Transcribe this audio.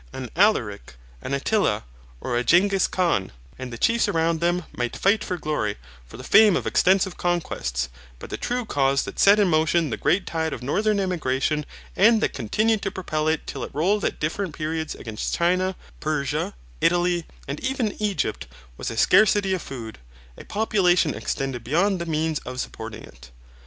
An Alaric, an Attila, or a Zingis Khan, and the chiefs around them, might fight for glory, for the fame of extensive conquests, but the true cause that set in motion the great tide of northern emigration, and that continued to propel it till it rolled at different periods against China, Persia, Italy, and even Egypt, was a scarcity of food, a population extended beyond the means of supporting it.